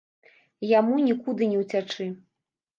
Яму нікуды не ўцячы.